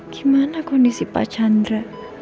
gimana kondisi pak chandra